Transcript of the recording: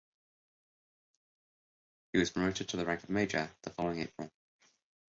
He was promoted to the rank of major the following April.